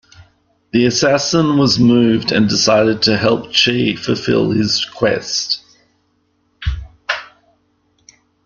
The assassin was moved and decided to help Chi fulfill his quest.